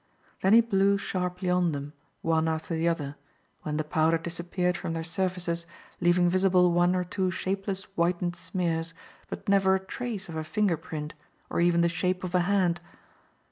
Then he blew sharply on them, one after the other, when the powder disappeared from their surfaces, leaving visible one or two shapeless whitened smears but never a trace of a finger print or even the shape of a hand.